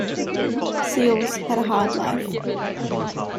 Seals had a hard life.